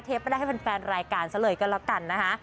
ก็ได้ให้แฟนรายการซะเลยก็แล้วกันนะคะ